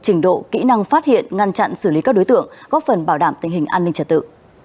trình độ kỹ năng phát hiện ngăn chặn xử lý các đối tượng góp phần bảo đảm tình hình an ninh trật tự